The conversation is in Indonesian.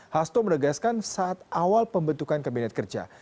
hasto menegaskan saat awal pembentukan kabinet kerja